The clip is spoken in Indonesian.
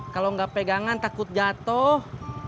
kalau nggak pegangan takut jatuh